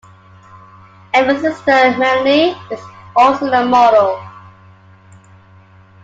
Emme's sister Melanie is also a model.